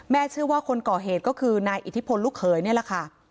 เชื่อว่าคนก่อเหตุก็คือนายอิทธิพลลูกเขยนี่แหละค่ะ